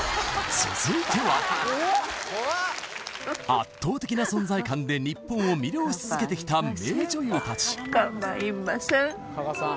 圧倒的な存在感で日本を魅了し続けてきた名女優たちかまいません